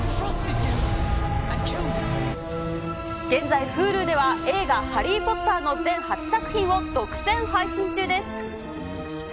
現在、Ｈｕｌｕでは映画、ハリー・ポッターの全８作品を独占配信中です。